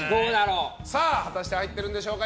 果たして入っているんでしょうか。